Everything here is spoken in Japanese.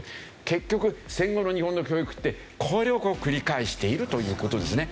結局戦後の日本の教育ってこれをこう繰り返しているという事ですね。